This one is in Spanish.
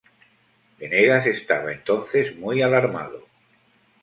Venegas estaba entonces muy alarmado.